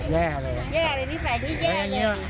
แย่เลย